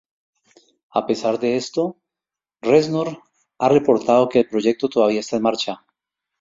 A pesar de esto, Reznor a reportado que el proyecto todavía está en marcha.